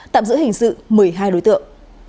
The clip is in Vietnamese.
tạm giữ hình sự một mươi hai đối tượng